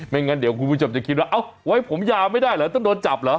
งั้นเดี๋ยวคุณผู้ชมจะคิดว่าเอ้าไว้ผมยาวไม่ได้เหรอต้องโดนจับเหรอ